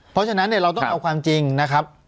เพราะฉะนั้นเนี่ยเราต้องเอาความจริงนะครับ